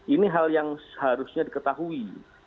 ini hal yang seharusnya diketahui